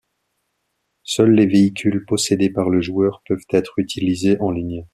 Seuls les véhicules possédés par le joueur peuvent être utilisés en ligne.